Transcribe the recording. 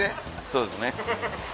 そうですね。